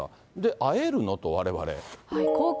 会えるのと、われわれ。